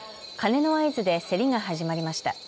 鐘の合図で競りが始まりました。